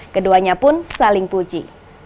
keduanya pun saling puji